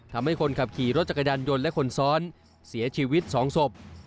ทำให้คนขับขี่รถจักรยานยนต์และคนซ้อนเสียชีวิต๒ศพ